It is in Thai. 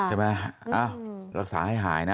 ใช่ไหมรักษาให้หายนะ